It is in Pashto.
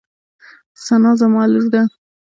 ثنا زما لور ده.